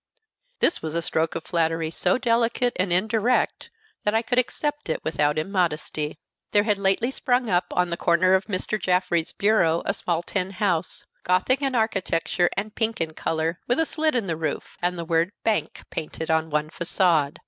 This was a stroke of flattery so delicate and indirect that I could accept it without immodesty. There had lately sprung up on the corner of Mr. Jaffrey's bureau a small tin house, Gothic in architecture and pink in color, with a slit in the roof, and the word BANK painted on one façade.